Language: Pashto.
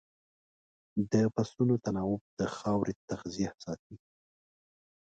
د فصلونو تناوب د خاورې تغذیه ساتي.